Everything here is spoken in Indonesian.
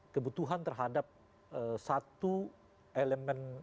kebutuhan terhadap satu elemen